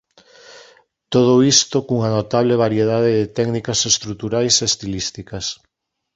Todo isto cunha notable variedade de técnicas estruturais e estilísticas.